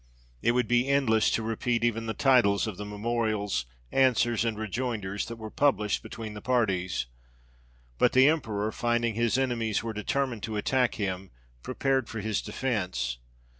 It would be endless to repeat even the titles of the memorials, answers, and rejoinders that were pub lished between the parties ; but the Emperor, rinding his enemies were determined to attack him, prepared for his defense.